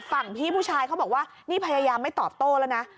พี่ผู้ชายเขาบอกว่านี่พยายามไม่ตอบโต้แล้วนะ